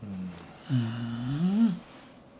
ふん。